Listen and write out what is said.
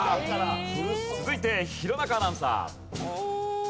続いて弘中アナウンサー。